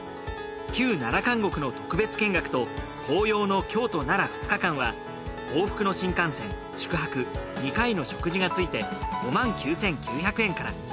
旧奈良監獄の特別見学と紅葉の京都・奈良２日間は往復の新幹線宿泊２回の食事が付いて５９，９００円から。